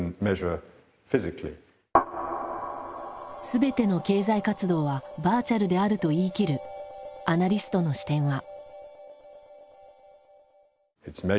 全ての経済活動はバーチャルであると言い切るアナリストの視点は？